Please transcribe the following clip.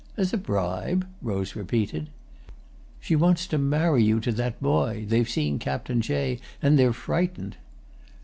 "As a bribe?" Rose repeated. "She wants to marry you to that boy; they've seen Captain Jay and they're frightened."